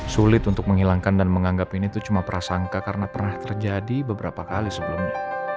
sulit untuk menghilangkan dan menganggap ini tuh cuma prasangka karena pernah terjadi beberapa kali sebelumnya